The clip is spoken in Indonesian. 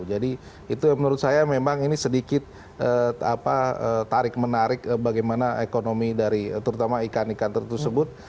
jadi itu menurut saya memang ini sedikit tarik menarik bagaimana ekonomi dari terutama ikan ikan tersebut